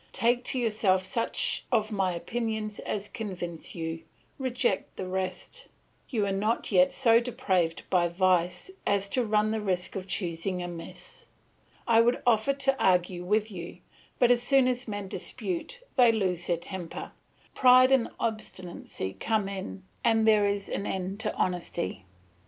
Take to yourself such of my opinions as convince you, reject the rest. You are not yet so depraved by vice as to run the risk of choosing amiss. I would offer to argue with you, but as soon as men dispute they lose their temper; pride and obstinacy come in, and there is an end of honesty.